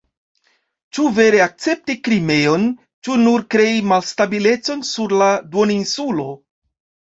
Ĉu vere akcepti Krimeon, ĉu nur krei malstabilecon sur la duoninsulo.